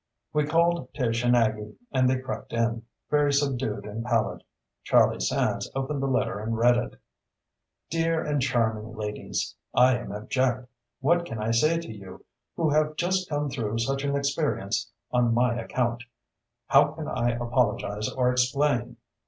We called Tish and Aggie and they crept in, very subdued and pallid. Charlie Sands opened the letter and read it: Dear and Charming Ladies: I am abject. What can I say to you, who have just come through such an experience on my account? How can I apologize or explain?